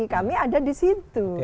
kami ada di situ